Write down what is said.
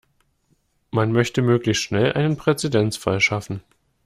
Man möchte möglichst schnell einen Präzedenzfall schaffen.